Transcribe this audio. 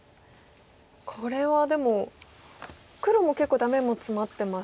これはでも黒も結構ダメもツマってますが。